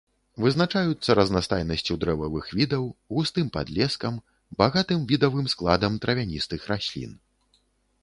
Вызначаюцца разнастайнасцю дрэвавых відаў, густым падлескам, багатым відавым складам травяністых раслін.